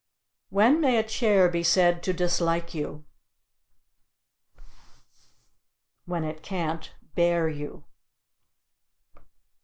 When may a chair be said to dislike you? When it can't bear you.